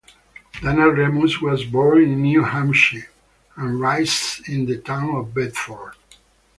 Dana Remus was born in New Hampshire and raised in the town of Bedford.